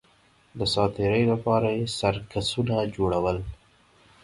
د ساتېرۍ لپاره یې سرکسونه جوړول